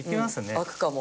開くかも。